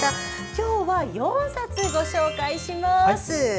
今日は４冊ご紹介します。